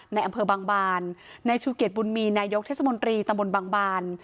ในอำเภอบางบานในชูเกียจบุญมีนายกเทศมนตรีตำบลบางบาน